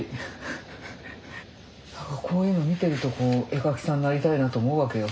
何かこういうのを見てるとこう絵描きさんになりたいなと思うわけよ。